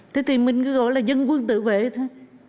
thế thì mình cứ gọi là dân quân tự vệ thôi